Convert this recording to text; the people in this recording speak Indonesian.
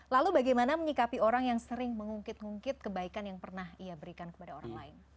lalu bagaimana menyikapi orang yang sering mengungkit ungkit kebaikan yang pernah ia berikan kepada orang lain